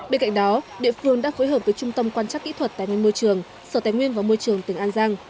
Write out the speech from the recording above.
bên cạnh đó địa phương đã phối hợp với trung tâm quan chắc kỹ thuật tài nguyên môi trường sở tài nguyên và môi trường tỉnh an giang